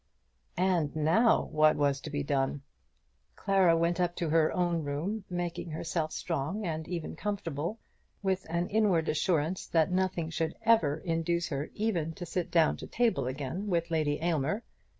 And now what was to be done! Clara went up to her own room, making herself strong and even comfortable, with an inward assurance that nothing should ever induce her even to sit down to table again with Lady Aylmer.